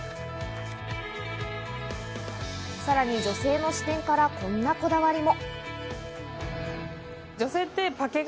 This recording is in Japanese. さらに女性の視点からこんなこだわりも。